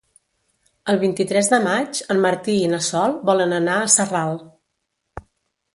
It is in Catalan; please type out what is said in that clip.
El vint-i-tres de maig en Martí i na Sol volen anar a Sarral.